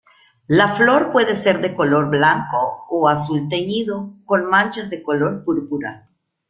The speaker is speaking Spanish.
La flor puede ser de color blanco o azul-teñido con manchas de color púrpura.